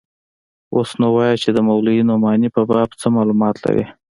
اوس نو وايه چې د مولوي نعماني په باب څه مالومات لرې.